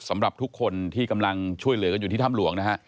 สำหรับทุกคนที่กำลังช่วยเหลือกันอยู่ที่ถ้ำหลวงนะฮะ